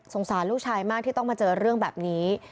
สารลูกชายมากที่ต้องมาเจอเรื่องแบบนี้